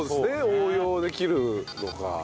応用できるのか。